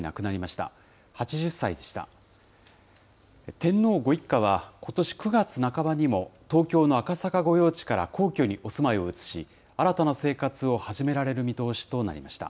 天皇ご一家は、ことし９月半ばにも、東京の赤坂御用地から皇居にお住まいを移し、新たな生活を始められる見通しとなりました。